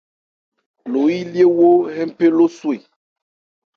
Lo yilyéwo hɛ́npe lo swe.